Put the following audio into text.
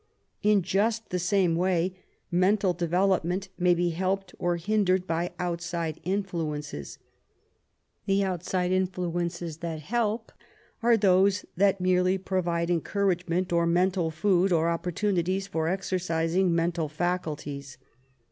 In just the same way mental development may be helped or hindered by outside influences. The outside influences that help are those that merely provide encouragement or mental food or opportunities for exercising mental faculties.